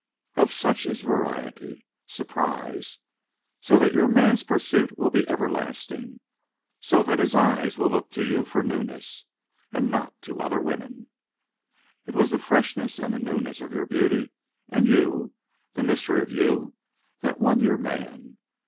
Of such is variety, surprise, so that your man's pursuit will be everlasting, so that his eyes will look to you for newness, and not to other women. It was the freshness and the newness of your beauty and you, the mystery of you, that won your man.